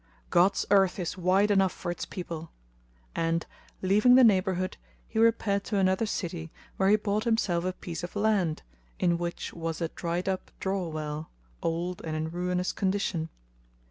God's earth is wide enough for its people;" and, leaving the neighbourhood, he repaired to another city where he bought himself a piece of land in which was a dried up draw well,[FN#218] old and in ruinous condition.